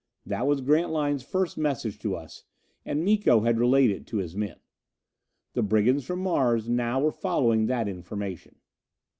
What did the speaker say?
That was Grantline's first message to us, and Miko had relayed it to his men. The brigands from Mars now were following that information.